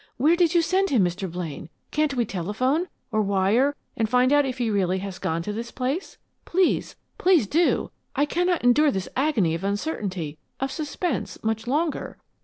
Where did you send him, Mr. Blaine? Can't we telephone, or wire and find out if he really has gone to this place? Please, please do! I cannot endure this agony of uncertainty, of suspense, much longer!"